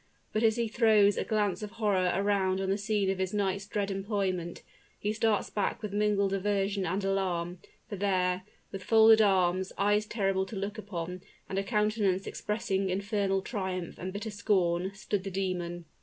But as he throws a glance of horror around on the scene of his night's dread employment, he starts back with mingled aversion and alarm; for there with folded arms, eyes terrible to look upon, and a countenance expressing infernal triumph and bitter scorn, stood the demon.